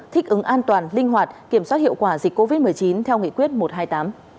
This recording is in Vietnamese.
thích ứng an toàn linh hoạt kiểm soát hiệu quả dịch covid một mươi chín theo nghị quyết một trăm hai mươi tám